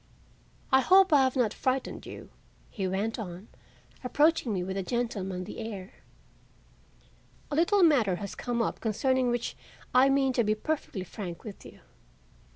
"I hope I have not frightened you," he went on, approaching me with a gentlemanly air. "A little matter has come up concerning which I mean to be perfectly frank with you.